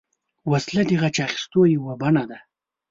وسله د غچ اخیستو یوه بڼه ده